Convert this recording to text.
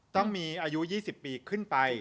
ต้องมีอายุ๒๐ปีขึ้นไป